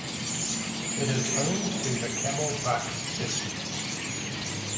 It is home to the Carmel Bach Festival.